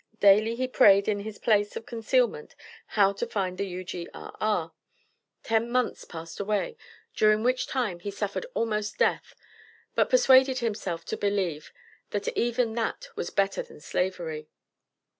Daily he prayed in his place of concealment how to find the U.G.R.R. Ten months passed away, during which time he suffered almost death, but persuaded himself to believe that even that was better than slavery.